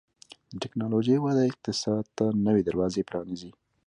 د ټکنالوژۍ وده اقتصاد ته نوي دروازې پرانیزي.